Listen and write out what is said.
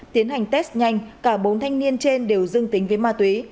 tiến hành test nhanh cả bốn thanh niên trên đều dương tính với ma túy